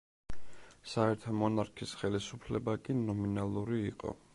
საერთო მონარქის ხელისუფლება კი ნომინალური იყო.